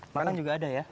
makanan juga ada ya